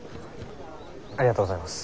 ありがとうございます。